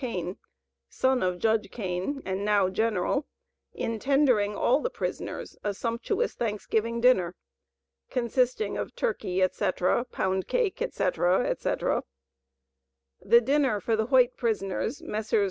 Kane (son of Judge Kane, and now General), in tendering all the prisoners a sumptuous Thanksgiving dinner, consisting of turkey, etc., pound cake, etc., etc. The dinner for the white prisoners, Messrs.